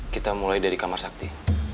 kita mulai dari kamar sakti